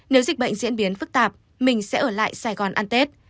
nếu dịch bệnh diễn biến phức tạp mình sẽ ở lại sài gòn ăn tết